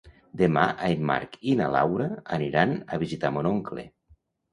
Demà en Marc i na Laura aniran a visitar mon oncle.